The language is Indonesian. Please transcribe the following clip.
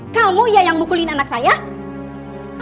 kamu ya yang mukulin anak saya